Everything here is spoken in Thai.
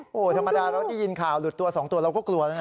โอ้โหธรรมดาเราได้ยินข่าวหลุดตัว๒ตัวเราก็กลัวนะฮะ